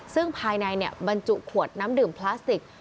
ซึ่งภายในบรรจุขวดน้ำดื่มพลาสติก